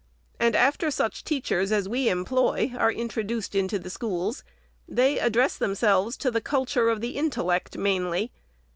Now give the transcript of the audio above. And after such teachers as we employ are introduced into the schools, they address themselves to the culture of Ihe intellect mainly.